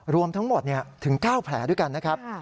รวมทั้งหมดถึง๙แผลด้วยกันนะครับ